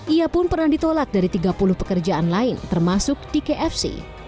ia pun pernah ditolak dari tiga puluh pekerjaan lain termasuk di kfc